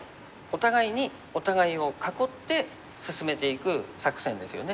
お互いにお互いを囲って進めていく作戦ですよね。